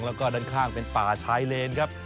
แล้วก็ด้านข้างเป็นป่าชายเลนครับ